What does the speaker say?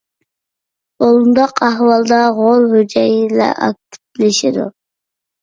بۇنداق ئەھۋالدا غول ھۈجەيرىلەر ئاكتىپلىشىدۇ.